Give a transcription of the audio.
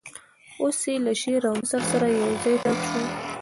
اوس یې له شعر او نثر سره یوځای چاپ شو.